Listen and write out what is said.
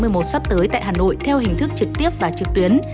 một sắp tới tại hà nội theo hình thức trực tiếp và trực tuyến